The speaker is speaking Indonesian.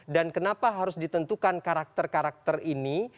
dan kenapa harus ditentukan karakter karakter ini